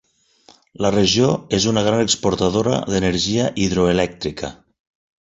La regió és una gran exportadora d'energia hidroelèctrica.